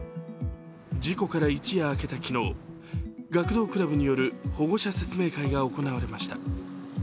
事故から一夜明けた昨日、学童クラブによる保護者説明会が行われました。